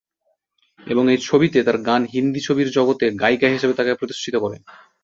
এবং এই ছবিতে তার গান হিন্দি ছবির জগতে গায়িকা হিসাবে তাকে প্রতিষ্ঠিত করে।